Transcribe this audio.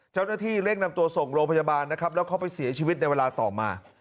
เจ้าหน้าที่เร่งนำตัวส่งโรงพยาบาลนะครับแล้วเขาไปเสียชีวิตในเวลาต่อมา